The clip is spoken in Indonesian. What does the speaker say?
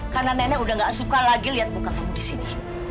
karena nenek udah gak suka lagi lihat muka kamu di sini